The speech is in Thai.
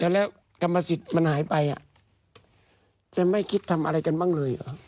แล้วกรรมสิทธิ์มันหายไปจะไม่คิดทำอะไรกันบ้างเลยเหรอครับ